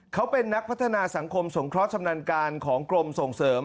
เขาเป็นนักพัฒนาสังคมสงเคราะห์ชำนาญการของกรมส่งเสริม